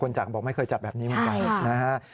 จากบอกไม่เคยจับแบบนี้เหมือนกันนะฮะ